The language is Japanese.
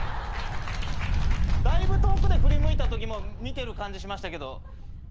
だいぶ遠くで振り向いたときも見てる感じしましたけど。